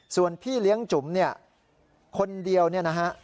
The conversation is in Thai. ส่วนพี่เลี้ยงจุ๋มเนี่ยคนเดียวเนี่ยนะฮะ